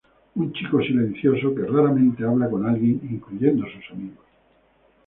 Un chico silencioso que raramente habla con alguien, incluyendo sus amigos.